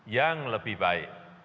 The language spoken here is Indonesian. yang lebih baik